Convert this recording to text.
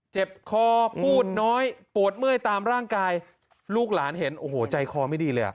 เจ็บคอพูดน้อยปวดเมื่อยตามร่างกายลูกหลานเห็นโอ้โหใจคอไม่ดีเลยอ่ะ